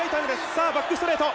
さあバックストレート。